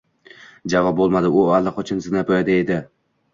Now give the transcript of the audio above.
Javob bo`lmadi; u allaqachon zinapoyada edi